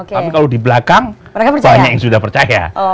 tapi kalau di belakang banyak yang sudah percaya